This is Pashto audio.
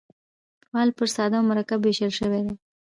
فعل پر ساده او مرکب وېشل سوی دئ.